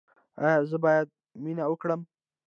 ایا زه باید مینه وکړم؟